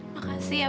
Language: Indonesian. makasih ya pak